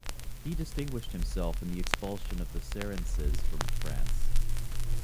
He distinguished himself in the expulsion of the Saracens from France.